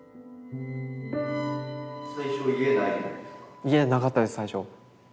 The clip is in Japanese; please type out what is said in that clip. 家なかったです最初。